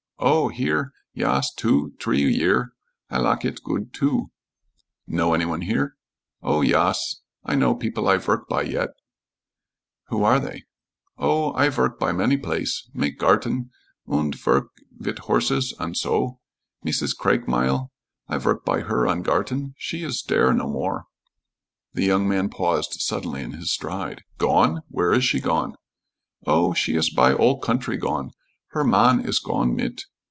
"Oh, here? Yas, two, t'ree year. I lak it goot too." "Know any one here?" "Oh, yas. I know people I vork by yet." "Who are they?" "Oh, I vork by many place make garten und vork wit' horses, und so. Meesus Craikmile, I vork by her on garten. She iss dere no more." The young man paused suddenly in his stride. "Gone? Where is she gone?" "Oh, she iss by ol' country gone. Her man iss gone mit."